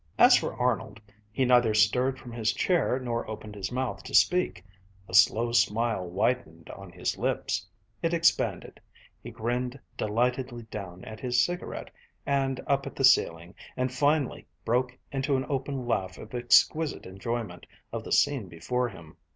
As for Arnold, he neither stirred from his chair, nor opened his mouth to speak. A slow smile widened on his lips: it expanded. He grinned delightedly down at his cigarette, and up at the ceiling, and finally broke into an open laugh of exquisite enjoyment of the scene before him.